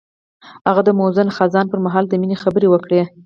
هغه د موزون خزان پر مهال د مینې خبرې وکړې.